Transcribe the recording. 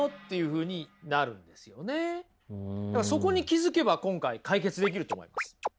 そこに気付けば今回解決できると思います。